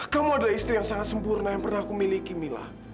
kamu adalah istri yang sangat sempurna yang pernah aku miliki mila